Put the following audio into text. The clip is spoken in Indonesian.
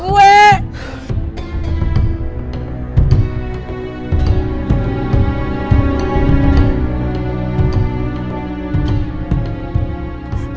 terima kasih taran